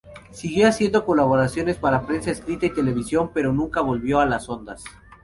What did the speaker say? Siguió haciendo colaboraciones para prensa escrita y televisión pero nunca volvió a las ondas.